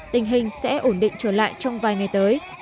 tình hình sẽ ổn định trở lại trong vài ngày tới